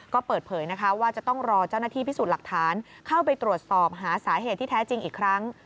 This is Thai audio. ก็เปิดเผยนะคะว่าจะต้องรอเจ้าหน้าที่พิสูจน์หลักฐานเข้าไปตรวจสอบหาสาเหตุที่แท้จริงอีกครั้ง